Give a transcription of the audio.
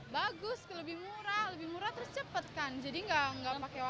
bagus lebih murah lebih murah terus cepat kan jadi nggak pakai waktu lama